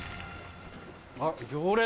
あっ行列。